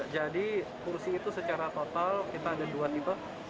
jadi kursi itu secara total kita ada dua tipe